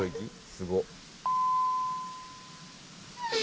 すごっ」